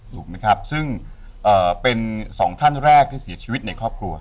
ถูกไหมครับซึ่งเป็นสองท่านแรกที่เสียชีวิตในครอบครัว